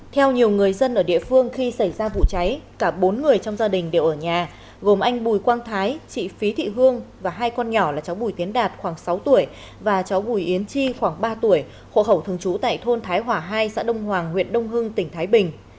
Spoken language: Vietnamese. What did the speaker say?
theo nhiều người dân ở địa phương khi xảy ra vụ cháy cả bốn người trong gia đình đều ở nhà gồm anh bùi quang thái chị phí thị hương và hai con nhỏ là cháu bùi tiến đạt khoảng sáu tuổi và cháu bùi yến chi khoảng ba tuổi hộ khẩu thường trú tại thôn thái hòa hai xã đông hoàng huyện đông hưng tỉnh thái bình